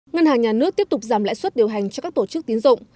ngân hàng nhà nước tiếp tục giảm lãi suất điều hành cho các tổ chức tín dụng